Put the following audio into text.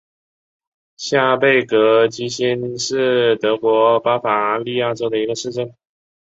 下贝格基兴是德国巴伐利亚州的一个市镇。